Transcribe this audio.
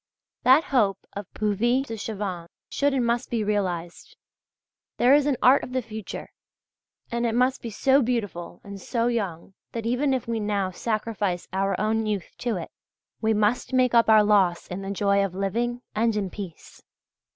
That hope of Puvis de Chavannes' should and must be realized: there is an art of the future, and it must be so beautiful and so young that even if we now sacrifice our own youth to it, we must make up our loss in the joy of living and in peace.